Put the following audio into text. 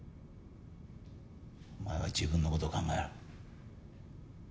お前は自分の事を考えろ。